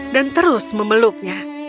dan terus memeluknya